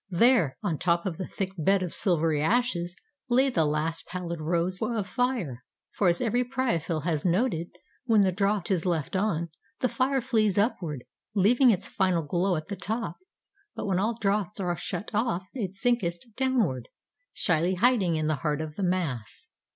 There, on top of the thick bed of silvery ashes, lay the last pallid rose of fire. For as every pyrophil has noted, when the draught is left on, the fire flees upward, leaving its final glow at the top; but when all draughts are shut off, it sinkst downward, shyly hiding in the heart of the mass.